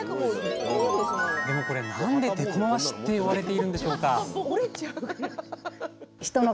でもこれ、なんで「でこまわし」って呼ばれているんでしょうか？